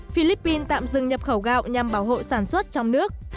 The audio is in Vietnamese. philippines tạm dừng nhập khẩu gạo nhằm bảo hộ sản xuất trong nước